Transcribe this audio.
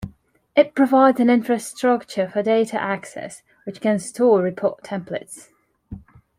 It provides an infrastructure for data access, which can store report templates.